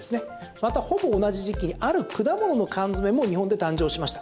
また、ほぼ同じ時期にある果物の缶詰も日本で誕生しました。